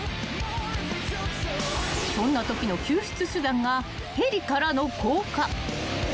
［そんなときの救出手段がヘリからの降下］